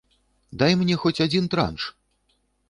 Дай мне хоць адзін транш.